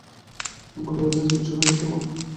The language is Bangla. সম্মানী ভাতা হবে ছয় হাজার টাকা মাত্র।